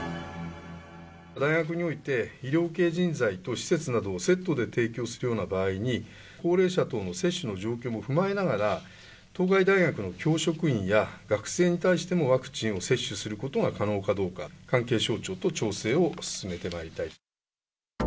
大学において、医療系人材と施設などをセットで提供するような場合に、高齢者等の接種の状況も踏まえながら、当該大学の教職員や学生に対してもワクチンを接種することが可能かどうか、関係省庁と調整を進めてまいりたい。